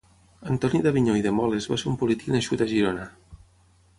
Antoni d'Avinyó i de Moles va ser un polític nascut a Girona.